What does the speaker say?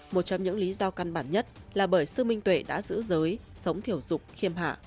một trong những lý do căn bản nhất là bởi sư minh tuệ đã giữ giới sống thiểu dục khiêm hạ